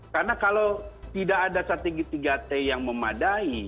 karena kalau tidak ada strategi tiga t yang memadai